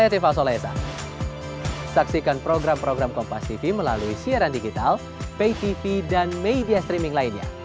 di siaran digital pay tv dan media streaming lainnya